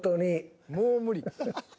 もう無理。